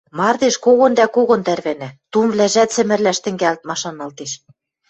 Мардеж когон дӓ когон тӓрвӓнӓ, тумвлӓжӓт сӹмӹрлӓш тӹнгӓлӹт машаналтеш.